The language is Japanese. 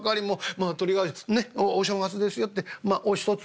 まあとりあえずねえお正月ですよってまあおひとつ」。